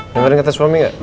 dengerin kata suami nggak